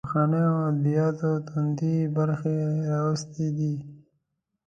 پخوانیو ادبیاتو توندۍ برخې راواخیستې